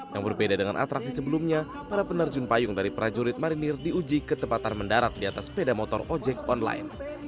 yang berbeda dengan atraksi sebelumnya para penerjun payung dari prajurit marinir diuji ketepatan mendarat di atas sepeda motor ojek online